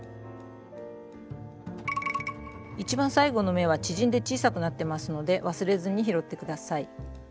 一番最後の目は縮んで小さくなってますので忘れずに拾って下さい。